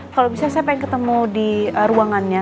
kalau bisa saya pengen ketemu di ruangannya